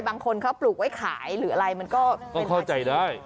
บางคนเขาปลูกไว้ขายหรืออะไรมันก็เข้าใจได้